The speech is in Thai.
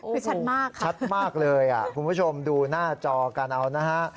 ไม่ชัดมากครับค่ะค่ะเลยคุณผู้ชมดูหน้าจอการเอานะฮะ